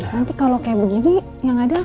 nanti kalau kayak begini yang ada akan berubah